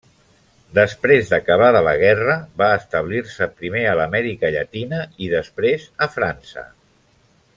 Després d'acabada la Guerra, va establir-se primer a l'Amèrica Llatina i, després, a França.